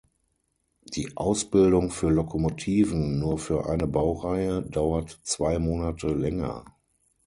Die Ausbildung für Lokomotiven, nur für eine Baureihe, dauert zwei Monate länger.